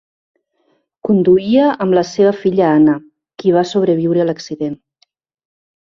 Conduïa amb la seva filla Anna, qui va sobreviure a l'accident.